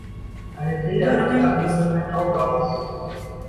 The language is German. Eine Krähe hackt der anderen kein Auge aus.